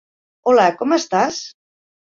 Hola, com estàs?